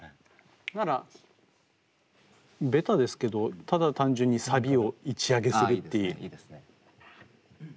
ならベタですけどただ単純にサビを１上げするっていう。